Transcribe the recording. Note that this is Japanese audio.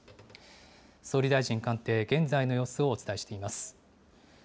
総理大臣官邸、現在の様子をお伝えしています。